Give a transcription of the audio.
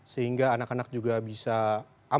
sehingga anak anak kita bisa berjalan